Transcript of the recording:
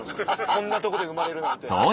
こんなとこで生まれるなんて。